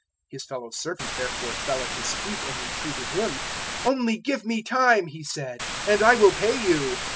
018:029 "His fellow servant therefore fell at his feet and entreated him, "`Only give me time,' he said, `and I will pay you.'